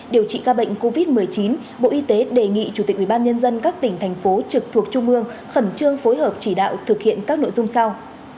điều trị ca bệnh covid một mươi chín bộ y tế đề nghị chủ tịch ubnd các tỉnh thành phố trực thuộc trung ương khẩn trương phối hợp chỉ đạo thực hiện các nội dung sau